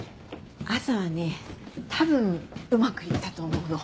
朝はねたぶんうまくいったと思うの。